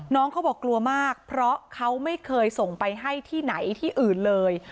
น้องเขาบอกกลัวมากเพราะเขาไม่เคยส่งไปให้ที่ไหนที่อื่นเลย